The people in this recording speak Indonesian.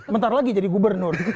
bentar lagi jadi gubernur